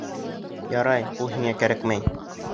Ярай, ул һиңә кәрәкмәй.